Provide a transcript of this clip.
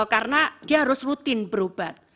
karena dia harus rutin berobat